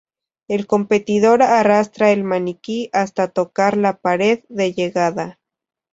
El competidor arrastra el maniquí hasta tocar la pared de llegada.